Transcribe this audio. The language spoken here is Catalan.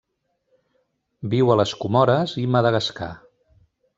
Viu a les Comores i Madagascar.